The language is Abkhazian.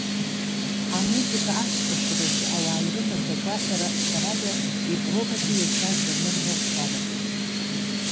Амузыка ацкәашаразы ауаа ирымаз агәаҳәара, ҳәарада, европатәи аџьаз анырра ӷәӷәа анаҭеит.